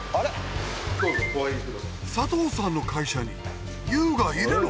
佐藤さんの会社にＹＯＵがいるの？